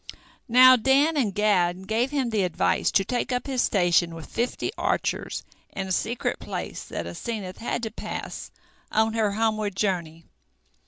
Now Dan and Gad gave him the advice to take up his station with fifty archers in a secret place that Asenath had to pass on her homeward journey.